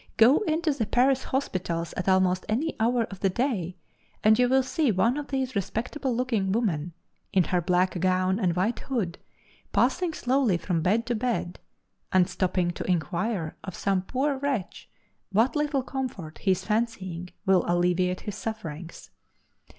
Go into the Paris hospitals at almost any hour of the day, and you will see one of these respectable looking women, in her black gown and white hood, passing slowly from bed to bed, and stopping to inquire of some poor wretch what little comfort he is fancying will alleviate his sufferings.